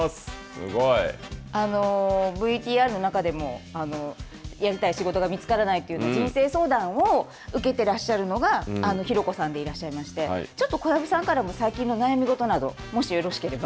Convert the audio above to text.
ＶＴＲの中でもやりたい仕事が見つからない人生相談を受けていらっしゃるのがひろこさんでいらっしゃいまして小籔さんからも最近の悩みごとなどもしよろしければ。